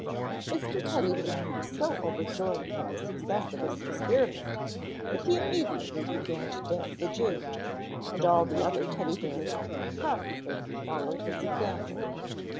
Mr. Teddy Bear was so overjoyed by the success of his experiment that he immediately began to dance a jig, and all the other Teddy bears promptly followed his example.